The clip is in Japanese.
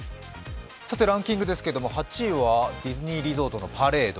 ランキングですけども、８位はディズニーリゾートのパレード。